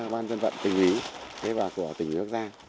ban dân vận tình hí thế và của tình hương giang